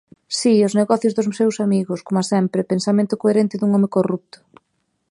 Si, os negocios dos seus amigos, coma sempre; pensamento coherente dun home corrupto.